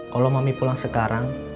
kalau mami pulang sekarang